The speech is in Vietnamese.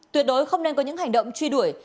tuyệt đối không nên có những hành động truy đuổi